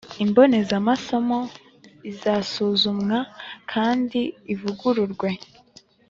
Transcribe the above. lmbonezamasomo izasuzumwa kandi ivugururwe